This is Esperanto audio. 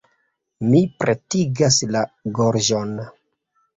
Mi pretigas la gorĝon.